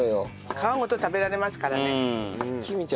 皮ごと食べられますからね。